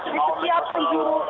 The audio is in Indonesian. di setiap penjuru